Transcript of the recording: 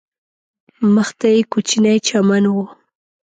مخ ته یې کوچنی چمن و.